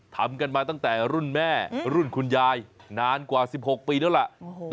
ทำกันมาตั้งแต่รุ่นแม่รุ่นคุณยายนานกว่า๑๖ปีแล้วล่ะ